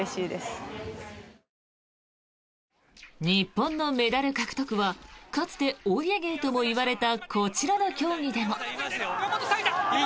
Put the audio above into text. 日本のメダル獲得はかつてお家芸ともいわれたこちらの競技でも。